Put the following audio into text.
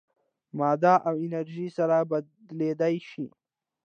ماده او انرژي سره بدلېدلی شي.